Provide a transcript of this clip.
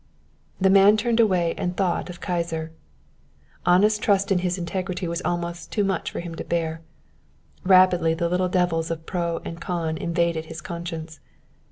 The man turned away and thought of Kyser. Anna's trust in his integrity was almost too much for him to bear. Rapidly the little devils of pro and con invaded his conscience.